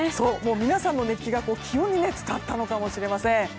皆さんの熱気が気温に伝わったのかもしれません。